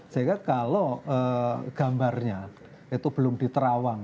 sehingga kalau gambarnya itu belum di terawang